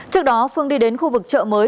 trước đó phương đi đến khu vực chợ mới